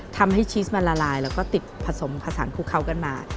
ชีสมันละลายแล้วก็ติดผสมผสานคลุกเขากันมา